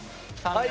はい。